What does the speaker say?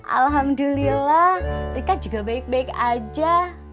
alhamdulillah rika juga baik baik aja